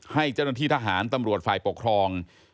ให้เจ้าหน้าที่ทหารตำรวจฝ่ายปกครอง